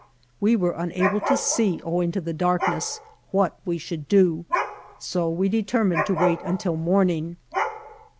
We were unable to see, owing to the darkness, what we should do. So we determined to wait until morning.